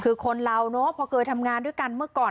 คือคนเราเนอะพอเคยทำงานด้วยกันเมื่อก่อน